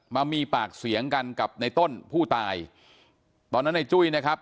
มามีปากเสียงกันกับในต้นผู้ตายตอนนั้นในจุ้ยนะครับ